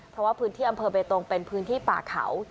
เพราะว่าพื้นที่อำเภอเบตงเป็นพื้นที่ป่าเขา